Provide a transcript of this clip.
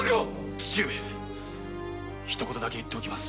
父上ひと言だけ言っておきます。